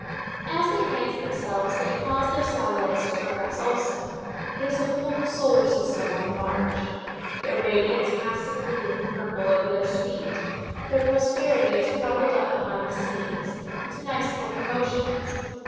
As they advance themselves, they cause their satellites to progress also; it is a whole solar system on the march. Their radiance casts a gleam of purple over their suite. Their prosperity is crumbled up behind the scenes, into nice little promotions.